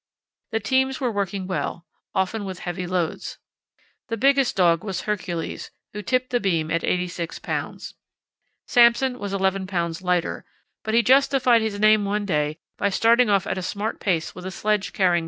The teams were working well, often with heavy loads. The biggest dog was Hercules, who tipped the beam at 86 lbs. Samson was 11 lbs. lighter, but he justified his name one day by starting off at a smart pace with a sledge carrying 200 lbs.